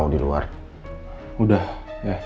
orang yang akan menjalankan apa yang dia inginkan